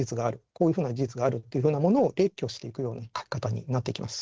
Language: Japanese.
こういうふうな事実があるっていうふうなものを列挙していくような書き方になってきます。